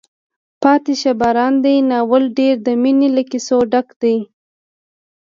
پاتې شه باران دی ناول ډېر د مینې له کیسو ډک ده.